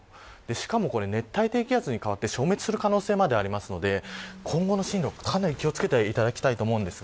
しかも熱帯低気圧に変わって消滅する可能性までありますので今後の進路、かなり気を付けていただきたいと思います。